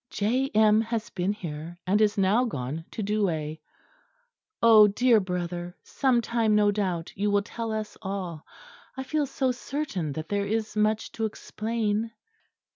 "J. M. has been here, and is now gone to Douai. Oh! dear brother, some time no doubt you will tell us all. I feel so certain that there is much to explain."